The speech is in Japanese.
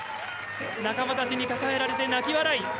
仲間たちに抱えられて泣き笑い。